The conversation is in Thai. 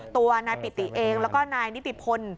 ตัวนายปิติเองแล้วก็นายนิติพล